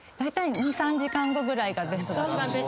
２３時間後ぐらいがベスト。